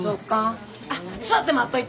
あっ座って待っといて。